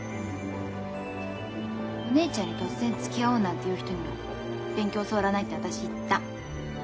お姉ちゃんに突然つきあおうなんて言う人には勉強教わらないって私言った。